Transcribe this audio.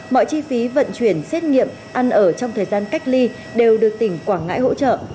mọi chi phí vận chuyển xét nghiệm ăn ở trong thời gian cách ly đều được tỉnh quảng ngãi hỗ trợ